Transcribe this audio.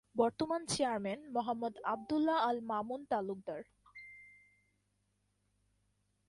বর্তমান চেয়ারম্যান- মোহাম্মদ আব্দুল্লাহ আল মামুন তালুকদার